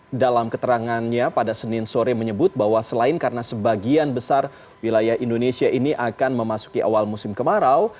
namun dalam keterangannya pada senin sore menyebut bahwa selain karena sebagian besar wilayah indonesia ini akan memasuki awal musim kemarau